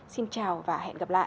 xin chào và hẹn gặp lại